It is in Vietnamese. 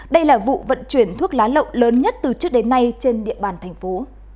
đây là vụ vận chuyển thuốc lá lậu lớn nhất từ trước đến nay trên địa bàn thành phố